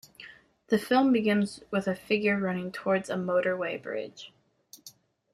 The film begins with a figure running towards a motorway bridge.